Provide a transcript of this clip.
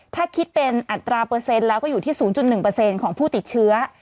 ถ้าคิดเป็นอัตราเปอร์เซ็นต์แล้วก็อยู่ที่๐๑ของผู้ติดเชื้อ